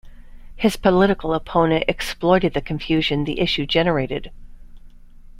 His political opponent exploited the confusion the issue generated.